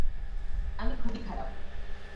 আমি খুবই খারাপ।